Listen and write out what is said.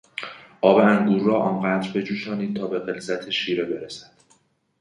آب انگور را آنقدر بجوشانید تا به غلظت شیره برسد.